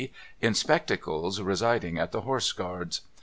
B. in spectacles residing at the Horse Guards.